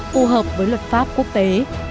phù hợp với luật pháp quốc tế